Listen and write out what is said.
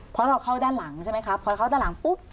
เพราะเราเข้าด้านหลังใช่ไหมครับพอเข้าด้านหลังปุ๊บ